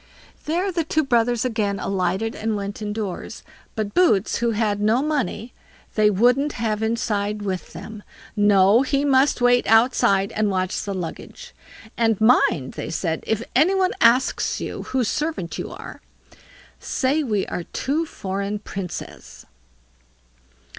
There the two brothers again alighted and went indoors, but Boots, who had no money, they wouldn't have inside with them; no, he must wait outside and watch the luggage. "And mind", they said, "if any one asks whose servant you are, say we are two foreign Princes."